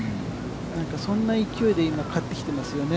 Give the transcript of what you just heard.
そんな勢いで今勝ってきていますよね。